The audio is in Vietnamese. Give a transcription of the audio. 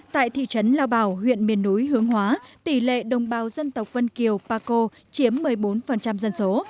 tại thị trấn lao bào huyện miền núi hướng hóa tỷ lệ đồng bào dân tộc vân kiều paco chiếm một mươi bốn dân số